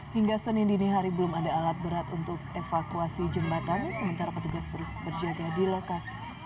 hingga senin dini hari belum ada alat berat untuk evakuasi jembatan sementara petugas terus berjaga di lokasi